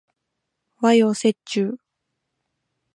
和洋折衷